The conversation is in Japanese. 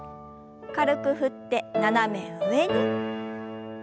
軽く振って斜め上に。